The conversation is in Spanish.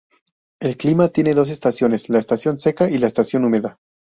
El clima tiene dos estaciones, la estación seca y la estación húmeda.